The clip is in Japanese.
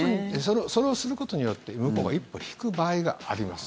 それをすることによって向こうが一歩引く場合があります。